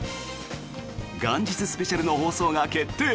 元日スペシャルの放送が決定！